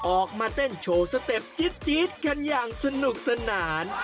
ออกมาเต้นโชว์สเต็ปจี๊ดกันอย่างสนุกสนาน